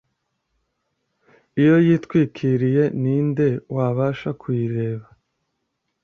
iyo yitwikiriye ni nde wabasha kuyireba’